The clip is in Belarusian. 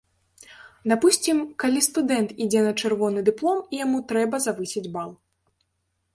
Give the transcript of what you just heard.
Дапусцім, калі студэнт ідзе на чырвоны дыплом і яму трэба завысіць бал.